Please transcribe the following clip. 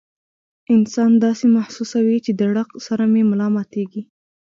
انسان داسې محسوسوي چې د ړق سره مې ملا ماتيږي